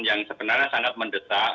yang sebenarnya sangat mendesak